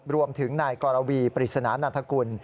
รวมถึงนายกรวีปริศนานันทกุล